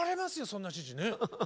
そんな指示ね。